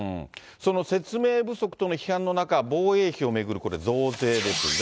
その説明不足との批判の中、防衛費を巡る、これ、増税ですが。